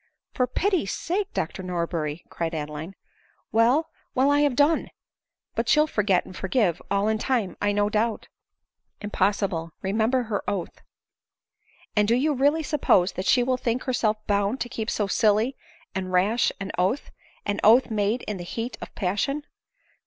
" For pity's sake, Dr Norberry !" cried Adeline. " Well, well, I have done. But she'll forget and for give all in time, I do not doubt." " Impossible ; remember her oath." " And do you really suppose that she will think herself bound to keep so silly and rash an oath ; an oath made in the heat of passion